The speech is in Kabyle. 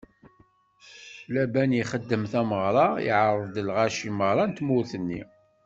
Laban ixdem tameɣra, iɛerḍ-d lɣaci meṛṛa n tmurt-nni.